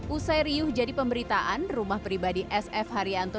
usai riuh jadi pemberitaan rumah pribadi s f haryanto